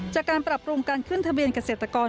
จากการปรับปรุงการขึ้นทะเบียนเกษตรกร